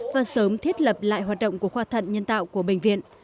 và sớm thiết lập lại hoạt động của khoa thận nhân tạo của bệnh viện